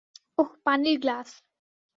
ওহ, পানির গ্লাস।